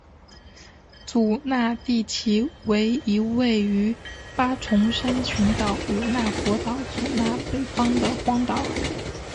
祖纳地崎为一位于八重山群岛与那国岛祖纳北方的荒岛。